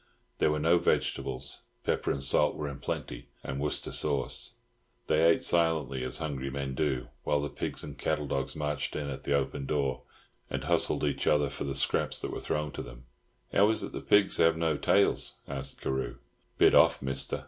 There were no vegetables; pepper and salt were in plenty, and Worcester sauce. They ate silently, as hungry men do, while the pigs and cattle dogs marched in at the open door, and hustled each other for the scraps that were thrown to them. "How is it the pigs have no tails?" asked Carew. "Bit off, Mister.